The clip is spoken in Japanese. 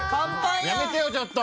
やめてよちょっと！